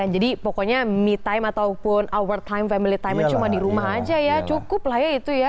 jadi pokoknya me time ataupun our time family time cuma di rumah aja ya cukup lah ya itu ya